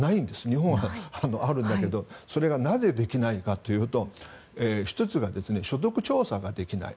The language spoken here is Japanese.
日本はあるんだけどそれがなぜできないかというと１つが所得調査ができない。